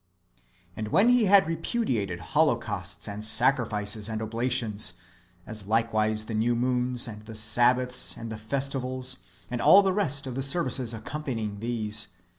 "^ And when He had repudiated holocausts, and sacrifices, and obla tions, as likewise the new moons, and the sabbaths, and the festivals, and all the rest of the services accompanying these.